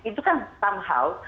itu kan tanghal